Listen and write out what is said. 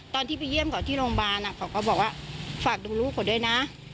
ตอนที่ไปเยี่ยมเขาที่โรงพยาบาลเขาก็บอกว่าฝากดูลูกเขาด้วยนะ